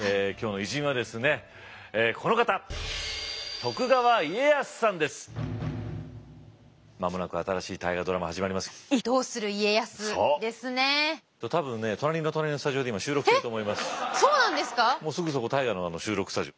すぐそこ「大河」の収録スタジオ。